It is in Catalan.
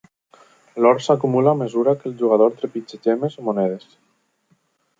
L'or s'acumula a mesura que el jugador trepitja gemmes o monedes.